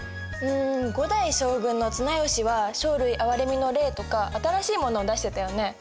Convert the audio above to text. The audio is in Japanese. うん５代将軍の綱吉は生類憐みの令とか新しいものを出してたよね。